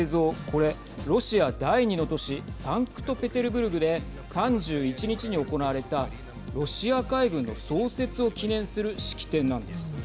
これ、ロシア第２の都市サンクトペテルブルクで３１日に行われたロシア海軍の創設を記念する式典なんです。